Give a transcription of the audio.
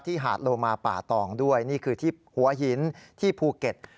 หาดโลมาป่าตองด้วยนี่คือที่หัวหินที่ภูเก็ต